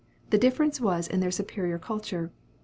The difference was in their superior culture.